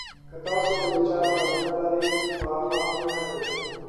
که تاسو د یو چا سره مینه لرئ خو هغه مینه نلري.